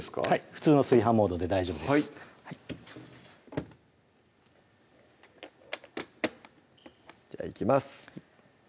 普通の炊飯モードで大丈夫ですはいじゃあいきます